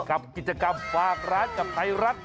กับกิจกรรมฝากร้านกับไทยรัฐ